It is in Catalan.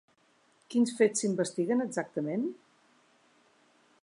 Quins fets s'hi investiguen exactament?